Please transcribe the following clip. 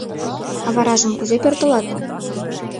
— А варажым кузе пӧртылат?